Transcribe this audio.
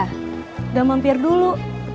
udah mampir dulu